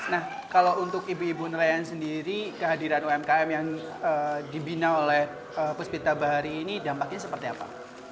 nah kalau untuk ibu ibu nelayan sendiri kehadiran umkm yang dibina oleh puspita bahari ini dampaknya seperti apa